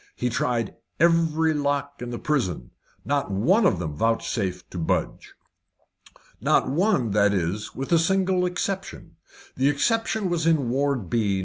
He tried every lock in the prison; not one of them vouchsafed to budge. Not one, that is, with a single exception. The exception was in Ward B, No.